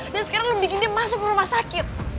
dan sekarang lo bikin dia masuk ke rumah sakit